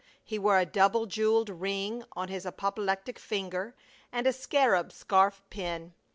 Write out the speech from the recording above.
He wore a double jeweled ring on his apoplectic finger, and a scarab scarf pin.